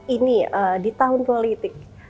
ini di tahun politik